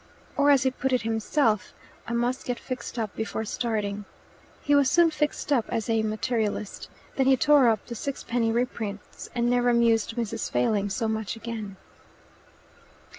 Or, as he put it himself, "I must get fixed up before starting." He was soon fixed up as a materialist. Then he tore up the sixpenny reprints, and never amused Mrs. Failing so much again.